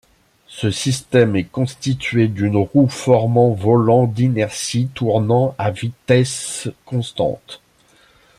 Ce système est constitué d'une roue formant volant d'inertie tournant à vitesse constante.